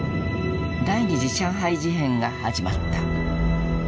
第二次上海事変が始まった。